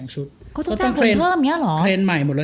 จะจับคนเพิ่มหรอ